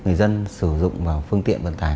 người dân sử dụng phương tiện vận tải